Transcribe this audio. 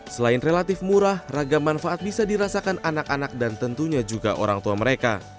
selain relatif murah ragam manfaat bisa dirasakan anak anak dan tentunya juga orang tua mereka